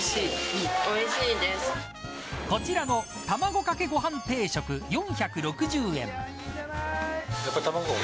こちらの卵かけご飯定食、４６０円。